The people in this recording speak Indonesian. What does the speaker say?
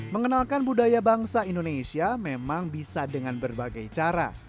mengenalkan budaya bangsa indonesia memang bisa dengan berbagai cara